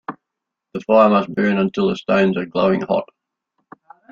The fire must burn until the stones are glowing hot.